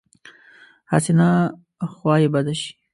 هسې نه خوا یې بده شي.